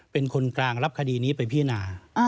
เป็นคนกลางรับคดีนี้ไปพินา